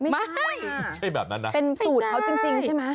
ไม่ใช่แบบนั้นนะเป็นสูตรเขาจริงใช่ไหม